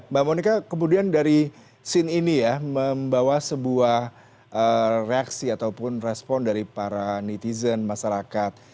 mbak monika kemudian dari scene ini ya membawa sebuah reaksi ataupun respon dari para netizen masyarakat